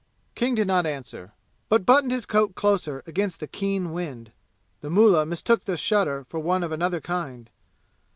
King did not answer, but buttoned his coat closer against the keen wind. The mullah mistook the shudder for one of another kind.